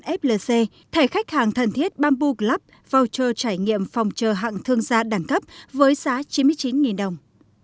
tập đoàn flc thể khách hàng thần thiết bambu club voucher trải nghiệm phòng chờ hạng thương gia đẳng cấp với giá chín mươi chín đồng